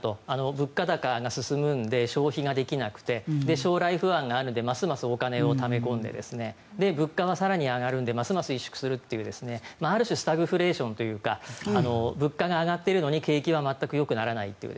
物価高が進むので消費ができなくて将来不安があるのでますますお金をため込んで物価は更に上がるのでますます萎縮するというある種スタグフレーションというか物価が上がっているのに景気は全くよくならないという。